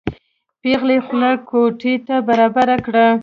پېغلې خوله کوټې ته برابره کړه.